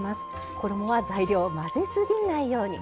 衣は材料を混ぜすぎないように。